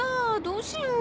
どうしよう？